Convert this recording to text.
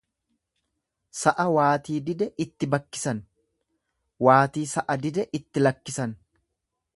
Sa'a waatii dide itti bakkisan, waatii sa'a dide itti lakkisan.